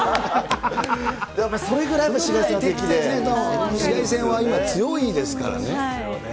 やっぱそれぐらい、紫外線は紫外線は今、強いですからね。